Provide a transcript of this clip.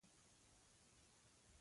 کینیايي متل وایي سوله ارزښت لري.